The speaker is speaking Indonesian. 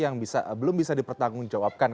yang belum bisa dipertanggungjawabkan